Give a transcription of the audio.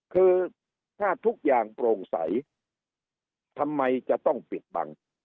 คือถ้าทุกอย่างโปร่งใสทำไมจะต้องปิดบัง